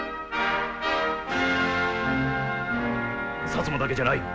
薩摩だけじゃない！